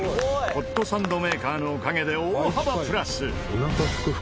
ホットサンドメーカーのおかげで大幅プラス！